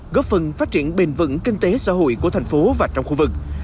góp phần phát triển bền vững kinh tế xã hội của thành phố và trong khu vực